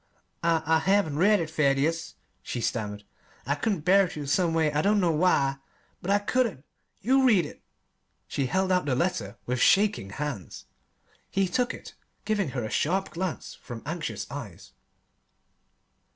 "I I haven't read it, Thaddeus," she stammered. "I couldn't bear to, someway. I don't know why, but I couldn't. You read it!" She held out the letter with shaking hands. He took it, giving her a sharp glance from anxious eyes.